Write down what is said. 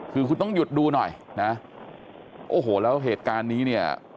คือคุณต้องหยุดดูหน่อยนะโอ้โหแล้วเหตุการณ์นี้เนี่ย